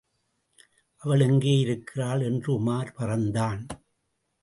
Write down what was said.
அவள் எங்கே இருக்கிறாள்? என்று உமார் பறந்தான்.